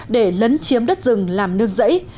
để lấn chiếm đất rừng làm nương rẫy